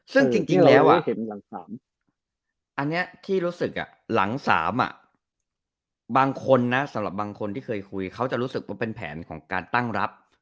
ซึ่งจริงแล้วอันนี้ที่รู้สึกหลัง๓บางคนนะสำหรับบางคนที่เคยคุยเขาจะรู้สึกว่าเป็นแผนของการตั้งรับ